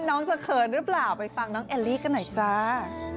น้องจะเขินหรือเปล่าไปฟังน้องแอลลี่กันหน่อยจ้า